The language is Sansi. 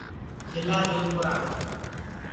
جِلا جودپُورام